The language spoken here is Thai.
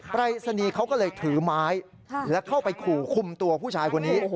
ปรายศนีย์เขาก็เลยถือไม้แล้วเข้าไปขู่คุมตัวผู้ชายคนนี้